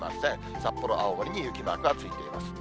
札幌、青森に雪マークがついています。